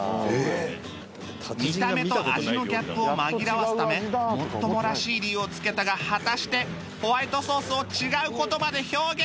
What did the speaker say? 見た目と味のギャップを紛らわすためもっともらしい理由をつけたが果たしてホワイトソースを違う言葉で表現できるのか？